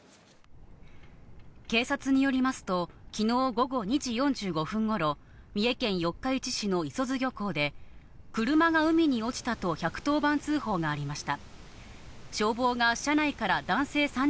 警察によりますと昨日午後２時４５分頃、三重県四日市市の礒津漁港で車が海に落ちたと１１０番通報がありました。